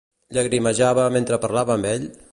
Llagrimejava mentre parlava amb ell?